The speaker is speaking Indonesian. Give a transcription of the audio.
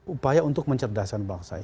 upaya untuk mencerdasan bangsa